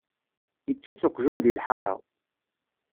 Ičča-tt uqjun di lḥara.